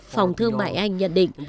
phòng thương mại anh nhận định